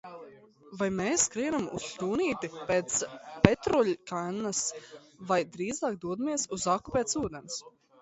Vai mēs skrienam uz šķūnīti pēc petrolejkannas vai drīzāk dodamies uz aku pēc ūdens?